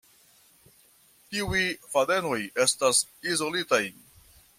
Tiuj fadenoj estas izolitaj.